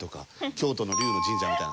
京都の龍の神社みたいな。